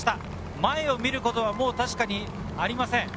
前を見ることは確かにありません。